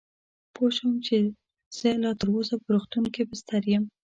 پوه شوم چې زه لا تراوسه په روغتون کې بستر یم.